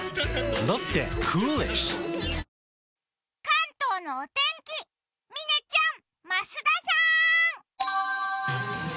関東のお天気、嶺ちゃん、増田さん！